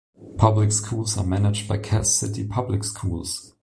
Public schools are managed by Cass City Public Schools.